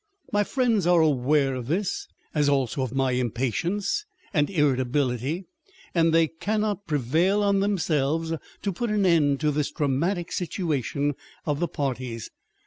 My friends are aware of this, as also of my impatience and irritability ; and they cannot prevail on themselves to put an end to this dramatic situation of the parties.